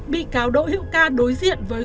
bị cáo đỗ hiệu ca đối diện với